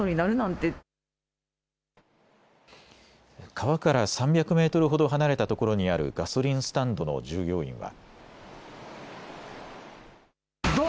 川から３００メートルほど離れたところにあるガソリンスタンドの従業員は。